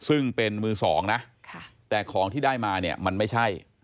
ซึ่งเป็นมือสองนะแต่ของที่ได้มาเนี่ยมันไม่ใช่